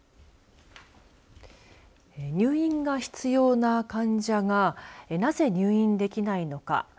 入院が必要な患者がなぜ、入院できないのか。